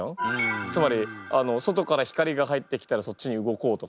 つまり外から光が入ってきたらそっちに動こうとか。